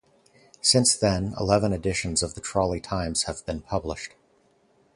Since then eleven editions of the trolley Times have been published.